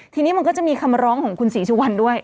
ทีนี้มันก็จะมีคำร้องของคุณศรีสุวรรณด้วย